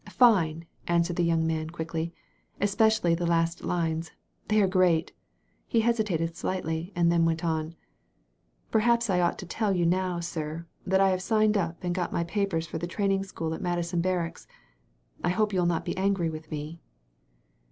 "Fine! answered the young man quickly; "especially the last lines. They are great. He hesitated slightly, and then went on. "Perhaps I ought to tell you now, sir, that I have signed up and got my papers for the training school at Madison Barracks. I hope you will not be angry with me.